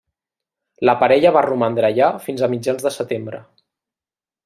La parella va romandre allà fins a mitjans de setembre.